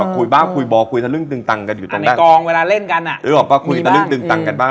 คุยบ้างคุยบ่อคุยตะลึ่งตึงตังกันอยู่ตรงนี้กองเวลาเล่นกันอ่ะนึกออกป่ะคุยตะลึ่งดึงตังกันบ้าง